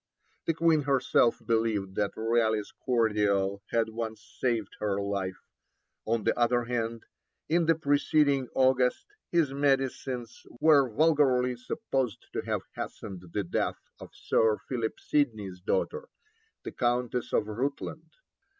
The Queen herself believed that Raleigh's cordial had once saved her life; on the other hand, in the preceding August his medicines were vulgarly supposed to have hastened the death of Sir Philip Sidney's daughter, the Countess of Rutland.